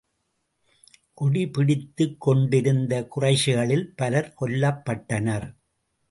கொடி பிடித்துக் கொண்டிருந்த குறைஷிகளில் பலர் கொல்லப்பட்டனர்.